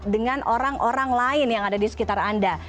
dengan orang orang lain yang ada di sekitar anda